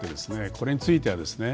これについてはですね